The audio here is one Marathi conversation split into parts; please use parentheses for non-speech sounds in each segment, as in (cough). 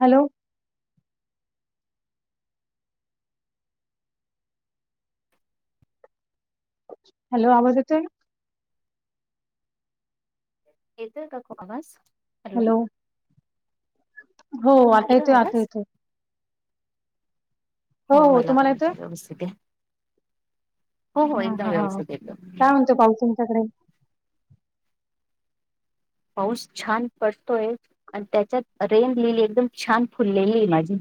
हॅलो. हॅलो आवाज येतोय? येतोय का ग आवाज? हॅलो हो हा आता येतोय येते आता आवाज? येते. हो मला पण इथ व्यवस्थित आहे. हो हो हा एकदम हा हा व्यवस्थित एकदम. काय म्हणतो पाऊस तुमच्याकडे पाऊस छान पडतोय आणि त्याच्यात रेन लिहिली एकदम छान फुललेली आहे माझी.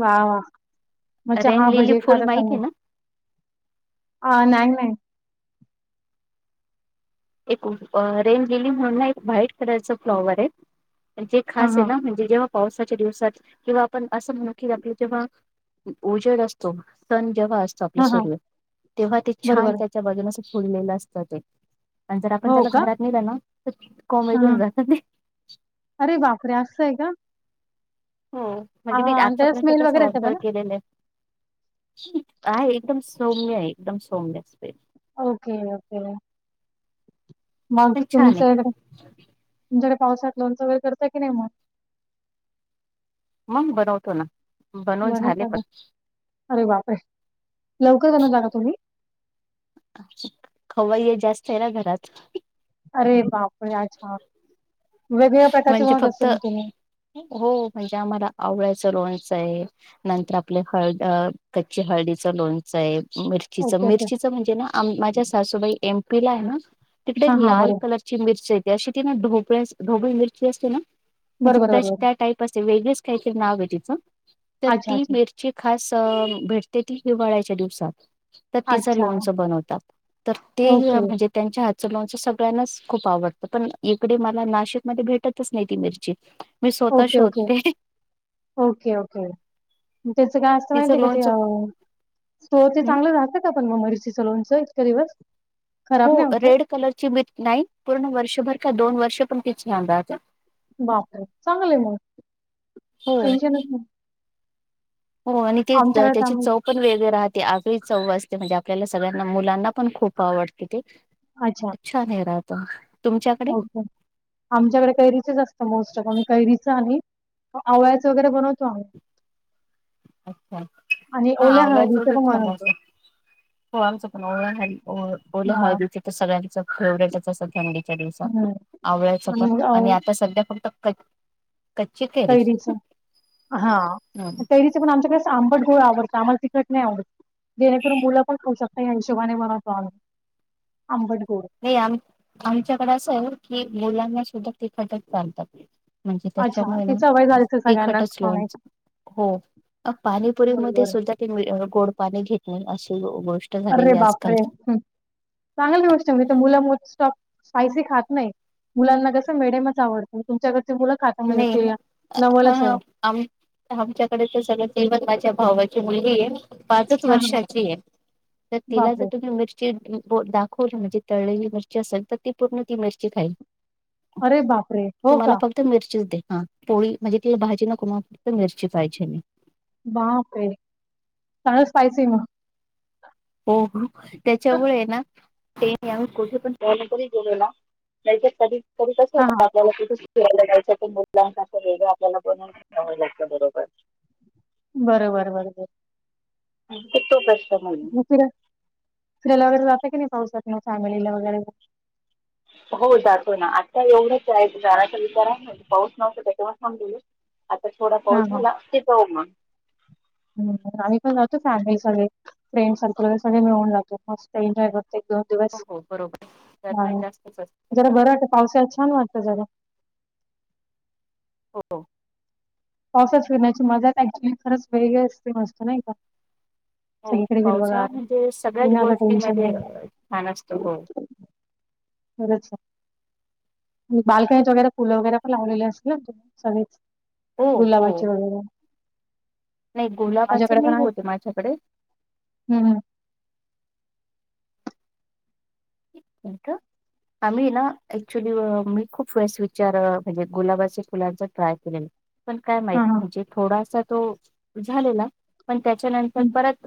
वा वा मग रेन चहा लिली भजे फुल खाता माहिती आहे सांगू. ना? ह नाहीग नाही. एकुन अ रेन लीली म्हणून ना एक व्हाईट कलरच फ्लॉवर आहे. जे हा खास हा आहे ना म्हणजे जेव्हा पावसाच्या दिवसात किंवा आपण असं म्हणु कि जेव्हा उजेड असतो सण जेव्हा अस चा आपलं हा हा सूर्य तेव्हा ते छान बरोबर त्याच्या बाजून अस फुललेलं असतं ते. आणि जर आपण हो त्याला का घरात नेलं ना तर हा कोॉमेेतून हा जहता ते. अरे बापरे असं आहे का? हो हा म्हणजे मी हा आणि त्याचा आतापर्यंत स्मेल तसं वगैरे येतं ऑफजर्व बरं केलेलं आहे. आहे एकदम सौम्य आहे एकदम सौम्य असते. Okay okay. मग पण छान आहे तुमच्याडे तुमच्याकडे पावसात लोनच वगैरे करताय की नाही मग? मग बनवतो ना, बनवून झाले पण बरोबर अरे बापरे लवकर जण जागा तुम्ही खवय जास्त आहे. ना घरात, अरे बापर अच्छा वेगवेगळ्या प्रकारचे म्हणजे महत फक्त असेल मी तुम्ही हो म्हणजे आम्हाला आवडायचं लोनच आहे. नंतर आपले हळ कच्ची हळदीचं लोणचं आहे मिर ओके ओके मिर्चीच म्हणजे ना माझ्या सासूबाई एमपी ला आहे ना तिकडे हा हा लाल बरोबर कलर मिरेत अशी ती ोळ ढोबळी मिरची असते ना म्हणजे बरोबर बरोबर त्या टाईप असे वेगच काहीतरी नाव तिचं, तर अच्छा, ती अच्छा. मिर जी खास भेटते ती हिवाळ्याच्या दिवसात. तर तिचं अच्छा. लोणच बनवतात, तर ती ही ओके. म्हणजे. त्यांच्या हातच लोचं सगळ्यांनाच खूप आवडतं, पण इकडे मला नाशि भेटतच नाही मिची ओके ओके ओके ओके. त्याच काय असत तिचं माहिती आहे का ते. लोणचं त तोवर हम्म चांगलं राहतात का पण, मग मिरचीच लोनचं इतक दिवस. हो खराब नाही होत ते? रेड कलरची बी नाही पूर्ण वर्षभर का दोन वर्ष पण तिची अंदाज आहे बापर चांगलेय मग हो टेन्शनच हो आणि ते, आमच्याकडे तर त्याची आम्ही चौक पण वेगळे राहते आगळी चंव असते, म्हणजे आपल्याला सगळ्यांना मुलांना पण खूप आवडते ते. अच्छा छान हे राहतो. तुमच्याकडे, ओके. आमच्याकडे कैरीच असतं. मोस्ट ऑफ आम्ही कैरीच आणि, वळ्याच वगैरे बनवतो आम्ही अच्छा आणि हा ओल्या हळदीचं आ्याचत पण छलास बनवतो. हो आमच पण ओला हळ ओला हां. हळदीच तर सगळ्यांच फेवरेट असतं. थंडीच्या दिवसात हं. आवडयचं पण आणि आता सध्या फक्त कच्ची कैरी कैरीचा हा नाही कैरी ण आमच्याकडे आंबट गोळ आवडत आम्हाला तिखट नाही आवडत जणेकरून मुलं पण खऊ शकत का हिशोबाने बनतो आल अंबटकोर. नाही आ आमच्याकडे असं आहे की मुलांना सुद्धा तिखट चालतात म्हणजे अच्छा ती सवय त्याच्यामुळे झाली असेल सगळ्यांनाच तिखटच लोनच खाण्याची. हो पाणीपुरीमध्ये बरोबर. सुद्धा ते गोड पाणी घेत नाही अशी गोष्ट अरे झालेली बाप आजकाल. रे चांगली गोष्ट म्हणजे, तर मुलं स्पायसी खात नाही. मुलांना कसं मेडेमच आवडत, तुमच्याकडची मुलं खातामध्ये नाही ते नवलच हा आहे. आम आमच्याकडे ते सगळ तेव माझ्या भावाची मुलगी आहे पाच हां हां वर्षाची आहे. तर तिला जर बापरे! तुम्ही मिर दाखवली म्हणजे तळली मिरची असेल, तर ती पूर्ण ती मिरची खाईल. अरे बापरे, हो का. मिर पोळी म्हणजे तिला भाजी न कुमाव तर मिरची पाहिजे मी बापरे (unintelligible) स्पायसी मग हो हो त्याच्यामुळे ना ते क पण तरी गेलो ना नाही कधी कधी कस हां होत हां आपल्याला कुठे ियला जायचं मुलां अस वेगळ आपल्याला बनूनव लागत बरोबर बरबर बरबर. कि तो कसष्टमर. फि -फिरायला वगैरे जात की नाही. पावसात फॅमिलीला वगैरे, हो जातो ना आत्ता एवढंचय विचाराचा विचार आहे पाऊस नव्हतो (unintelligible) आता थोडा हां पाऊस झाला, की जावू मग. हम् आम्ही पण राहतो फॅमिली सगळे. फ्रेंड सर्कलर सगळे मिळून जातो मस्त एन्ॉय करते एक हो हो बरोबर नाही जास्तच असत जरा सगळ. बरं वाटतं पावसाळ्यात छान वाटत जरा. हो. ऑफस फिरण्याची मजा ऍक्च्युली खरंच वेगळी असते मस्त नाही का? हो सगळीकडे पावसाळा हिरवंगार, म्हणजे सगळ्याच उन्हाचं गोष्टी टेन्शन मध्ये नाही. छान असतो हो. बरं छान. बाल्कणी वगैरे फूळ वगैरे, पण लावलेले असतील सगळेच. हो हो गुलाबाचे वगैरे, नाही गोलाबाच नाही होते माझ्याकडे. हम् हम. किती ग? आम्ही ना ऍक्च्युली, मी खूप फेस विचार म्हणजे गुलाबाच्या फुलांचा ट्राय केलेला. पण काय माहित हां, हां. म्हणजे थोडासा तो झालेला. पण तेच्यानंतर हं. परत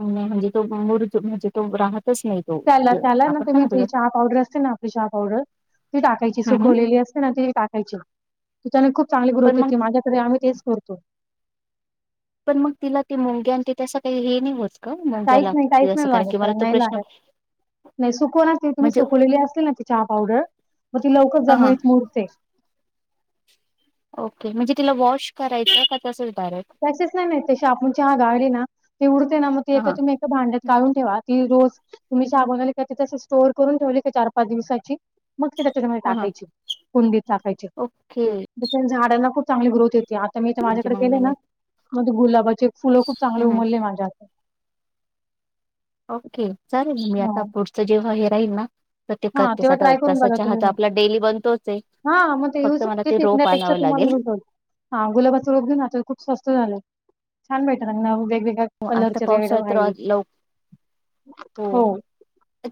म्हणजे, तो मुर म्हणजे तो राहतच नाही. तो त्याला ज- त्याला ना आपण काय तुम्ही म्हणतो ते त्याला? चहा. पावडर असते ना आपली चहा पावडर, ती टाकायची हम्म, हम्म. सुखवलेली असते ना ती टाकायची. तु त्यान खूप चांगली पण ग्रोथ मग येतती माझ्याकडे आम्ही तेच करतो. पण मग तिला त मुंगे आणि ते तसं काही हे नाही होतं. काहीच नाही काहीच नाही, लागत नाही प्रश्न लागत. नाही सुकव ना ती तुम्ही म्हणजे सुकवलेली असे ना, ती चहा पावडर मग ती लवकरच हा हा. जमीनीत मुरते. ओके. म्हणजे तिला वॉश करायचं का तसंच डायरेक्ट. त्याक्सेस नाही ते शा आपणची चहा गाळले ना, ते उडते ना मग ते हा हा. तेच्या ने. भांड्यात काढून ठेवा. ती रोज, तुम्ही चहा बनले का ते त स्टोर करून ठेवले, का चार पाच दिवसाची. मग ते तेच्या मध्ये, हा हा. टाकायचे कुंडीत टाकायचे. ओके. झाडांना खूप चांगली ग्रोथ येते, आता मी तर म्हणजे माझ्याकडे केले मम्मीने ना. मध्ये गुलाबाचे फुलं खूप चांगले हम्म उमले माझ्या हातात. ओके चालेल म मी आता पुढचं जेव्हा हे राहील ना. प्रत्येक हा तेव्हा दिवसाच्या ट्राय तसा चहा आपला, डेली बनतोच ये. हा मग ते युज फेकण्यापेक्षा, तुम्हाला युज होईल. हा गुलाबाचा रोप घेऊ ना खूप स्वस्त झालं, छान भेटल अंग ना वेगवेगळ. आता कलरचे रेड पावसाळ्यात तर व्हाईट लव हो.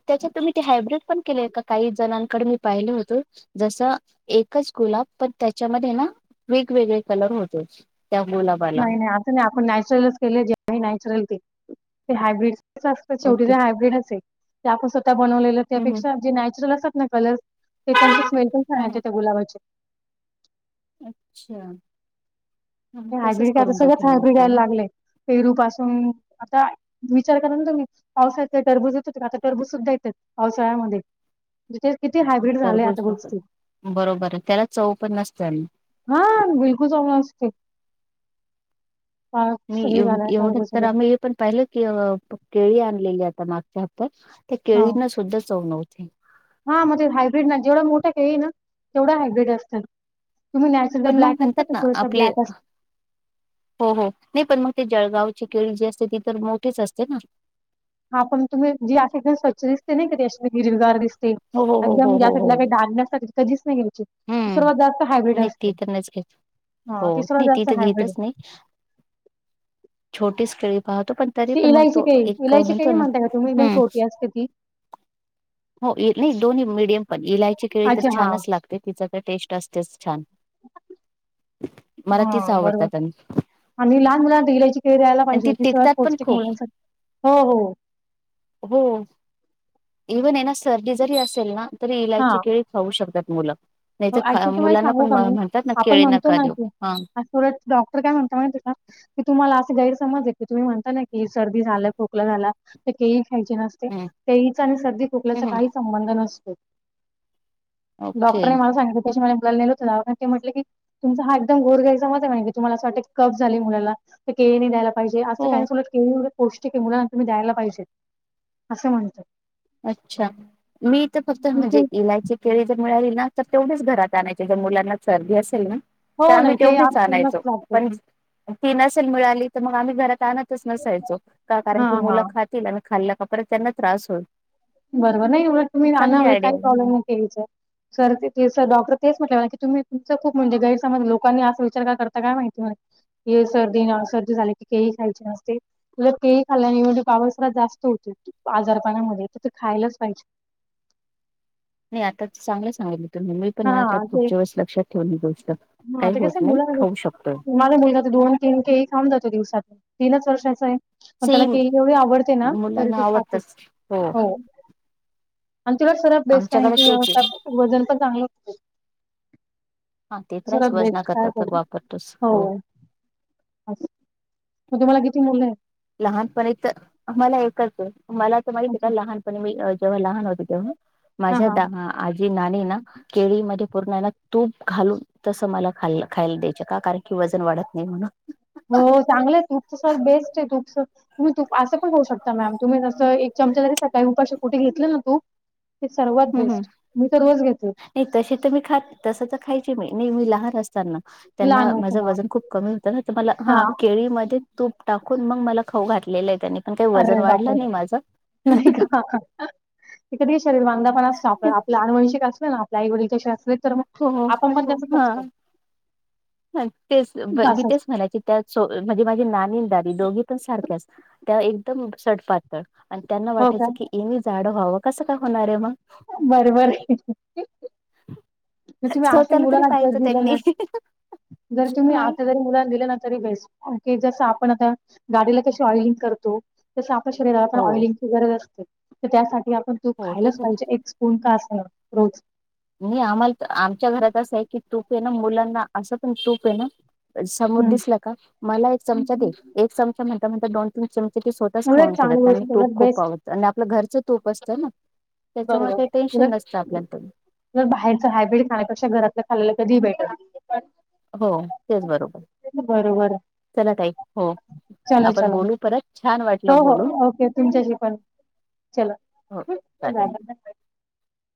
त्याच्यात तुम्ही ते हायब्रीड कम केलेय काही जणांना इकडे मी पाहिल होतो, जसं एकच गुलाब पण तेच्यामध्ये ना. वेगवेगळे कलर होतेच. त्या मुला. नाही नाही अस नाही आपण नॅचरलच केलं जे नॅचरल ते ते हायब्रिड असत शेवटी जे ओके हायब्र्रीड असे ते आपण स्वतः बनवलेलं हम्म हम्म त्यापेक्षा जे नॅचरल असतात ना कलर्स ते त्यांची स्मेल पण हा हायचे, हा त्या गुलाबाचे‌. अच्छा. मग ते हजरी तसंच काय तर करून बघेल मी सगळंच आता घ्यायला लागलें. पेरू पासून आता विचार करा ना, तुम्हीच पावसाच टरबूज. काय नाही तरबूज सुद्धा येतात पावसाळ्यामध्ये. किती हायब्रिड झालंय तरबूज आता गोष्टी. ‌बरोबर आहे, त्याला चव पण नसतेल. हा बिलकुल समजते. म हे एव झालाय एवढंच टरबूज तर सगळं आम्ही हे पण, पहिले केळी आणलेली आता मागच्या हात त्या हा केळीन सुद्धा चव नव्हती. हा मग ते हायब्रीड ना जेवढ मोठा केळी ना, तेवढ हायब्र्रीड असतात. तुम्ही नॅचरलला पण मग ब्लॅक असता म्हणतात तर ना थोडसा आपले ब्लॅक अस. हो हो, नाही पण मग ते जळगावची केळी जी असते, ती तर मोठीेच असते ना. हा पण तुम्ही जी असे एकदण स्वच्छ दिसते ना नाही कधी अशी गिरजगार दिसते. हो, हो, हो, अदम हो, हो, म्ह्याला हो. काही डाग नसतात कधीच नाही घेऊचीक त हं. सर्वात जास्त हायब्र्रीड नाही असत ती तर नाहीच घेत. ह हो, तीसर्व नाही ती जास्त तर हायब्र्रीड घेतच नाही. छोटीच केिळी पाहतो पण, तरी ती पण मग इलायची तो, केळी एक इलायची म्हणतो केळी ना म्हणता का तुम्ही एकदम हम्. छोटी असते ती हो नाही दोन्ही मिीडियम पण इलायची केळी तर अच्छा हा छानच लागते. टेस्ट असते छान मला तीच आवडतात. आणिम्ही लहान मुलांना दिलायची खळ द्यायला आणि पाहिजे ती की सत टिकतात पण पौष्टिक खूप मुलांसाठी हो. हो इव्हन ना, सर्दी जरी असेल ना. तरी इलायची केळी खाऊ शकतात मुलं. नाही तर ऍक्च्युली तुम्हाला मुलांना सांगू पण का म मी म्हणतात ना आपण केळी म्हणतो नका ना देऊ. की, हां. डॉक्टर काय म्हणतो माहित आहे का. की तुम्हाला असं गैरसमज आहे की तुम्ही म्हणता ना की सर्दी झालं खोकलं झाला तर केही खायचे ना. हं. तेहीच आणि सर्दी हं, खोकल्याचा हं. काही संबंध नसतो. ओके. डॉक्टरने मला सांगितलं त्याच्या मला मुला ने हो ते म्हटलं की तुमचा हा एकदम घोर घयचाच मत आहे नाही की तुम्हाला असं वाटत कप झाली मुला तर के द्यायला. पाहिजे असं हो. काहीत पौष्टिक मुलांना त मी द्यायला पाहिजेत असं म्हणत. अच्छा, मी तर फक्त म्हणजे इलायची. केळी जर मिळाली ना तर, तेवढेच घरात आणायचे जर मुलांना सर्दी असेल ना. तर हो ना, आम्ही केळी तेवढीच आत आणायचो मस्त लागते. पण ती नसेल मिळाली तर मग आम्ही घरात आणतच नसायचो कारण हां, की मुलं हां. खातील आणि खाल्ल्या कपड त्यांना त्रास होईत. बरोबर नाही एवढं तुम्ही रा आयडिया काही प्रॉब्लेम आहे. नाही यायच्या. सर ते डॉक्टर तेच म्हटलं की, तुम्ही खूप म्हणजे गैरसमाज लोकांनी असा विचार का करताय माहिती. हे सर्दी सर्दी झाली की, केळी खायची नसते. त तेही खाल्ल्यानेवजे पावस जास्त होते आजार पाणामध्ये तर ते खायलाच पाहिजे. नाही आता ते चांगलं सांगले. तर मेही पण आता हां, ते पुढच्या वेळेस लक्षात ठेऊून ही गोष्ट हां, काही ते कसं होत आहे नाही मुलांना खाऊ शकतोय. माझा मुलगा त दोन तीन के एक थांब जातो दिवसातून तीनच वर्ष असं आहे. मग त्याला सेम केळी एवढी आवडते ना, तरी मुलांना तो खातो आवडतच. हो. आणि तिला सर्वात बेस्ट कारण आमच्याकडे की तेच आहे वजन पण चांगले हा ते स त्रास वजना बेस्ट काय करतात कर वापरतोच हो. मग तुम्हाला किती मुलं आहे. लहानपणी तर मला एकच आहे, मला तर माझिका अच्छा. लहानपणी मी जेव्हा लहान होत. हां, माझ्या द हां. आजी नाणी ना, केळी मध्ये पूर्ण ना. तूप घालून तसं मला खा खायला द्यायचे, का कारण की वजन वाढत नाही म्हणून. हो चांगलं तूपच सर, बेस्ट आहे तूपच. तुम्ही तू असं पण होऊ शकता मॅम, तुम्ही जसं एक चमचा जरी सकाळी उपाशी कुठे घेतलं ना तूप. ते सर्वात हम्म बेस्ट मी तर रोज घेते. नाही तसे तर मी खात तस तर खायचे मी, नाही मी लहान असताना. त्यांना लहान होते माझं हां. वजन खूप कमी होतं तर मला हा हां. केळीमध्ये तूप टाकून मग मला खाऊ घातलेलं आहे त्यानी अरे बापरे, नाही का. क कधी शरीर बांधा पण असतो. आपण आपल्या अ आणुवंशीक असत ना, आपल्या आई वडीलं शरीर अस तर मग. हो हो आपमध्ये असच हा असतो. तेच बी असंच. तेच म्हणायचे. त्या म्हणजे माझी नानी आणि दादी दोघी पण सारख्याच त्या एकदम सडपात आणि त्यांना हो का? वाटायचं की, एम झाडं व्हावं कसं काय होणार आहे मग. बरबर. तुम्ही आही स्वतःला तरी मुलाला जर पाहायचं दिलं ना त्यांनी जरी तुम्ही हा. आता जरी मुलांना दिलं ना तरी बेस्ट ओके जस आपण आता गाडीला कशी ऑइलिंग करतो तस आपल्या शरीराला आपण हो ऑइलिंग गरज असते तर त्यासाठी आपण दूध हो ते खायलाच तर. पाहिजे एक स्पून का अस रोज मी आम्हाला आमच्या घरात असं आहे की तूप आहे ना मुलांना असं पण तूप आहे ना. समोर हम्म दिसला का मला एक चमचा दे एक चमचा म्हण म्हण दोन तन चमचे ते स्वतःच उलट खान घेतात चांगली त्यां म गोष्ट तूप उलट खूप बेस्ट आवडत आणि आपलं घरचं तूप असतं ना. त्याच्यामुळे काही टेन्शन नसतं आपल्या बाहेरच हायब्र्रीड खाण्यापक्षा घरातलं खायला कधी भेटणार. हो तेच बरोबर बरोबर चला तई हो चला आपण चला बोलू परत छान हो वाटलं हो बोलून ओके तुमच्याशी पण चला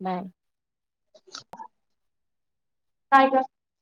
नाही. (inaudible) टायगर.